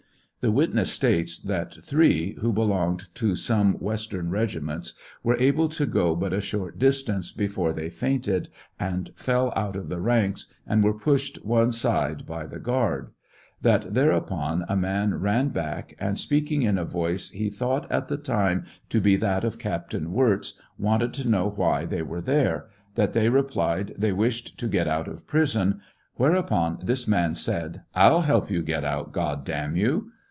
The witness states that three, who belonged to some western regiments, were able to go but a sliort distance, before they fainted and fell out of the ranks, and were pushed one side by the guard ; that thereupon a man ran back, and speaking in a voice he thought at the time to he that of Captain Wirz, wanted to know why they were there ; that they replied, they wished to get out of prison ; whereupon this man said, " I'll help you out, God damn you."